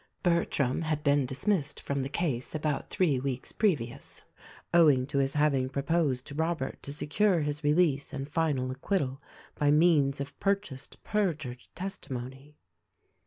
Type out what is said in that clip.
(Bertram had been dismissed from the case about three weeks previous, owing to his having proposed to Robert to secure his release and final acquittal by means of pur chased, perjured testimony.)